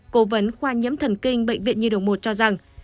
cố vấn khoa nhiễm thần kinh bệnh viện nhi đồng một cho rằng